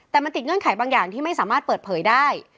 แต่ฝ่ายบางอย่างที่ไม่สามารถเปิดเผยได้